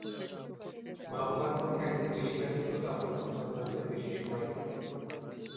মা–বাবার মধ্যে একজন বেশি ব্যস্ত হলে অপরজন সন্তানদের বেশি সময় দেবেন।